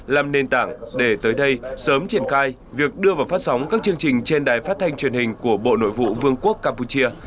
làm nền tảng để tới đây sớm triển khai việc đưa vào phát sóng các chương trình trên đài phát thanh truyền hình của bộ nội vụ vương quốc campuchia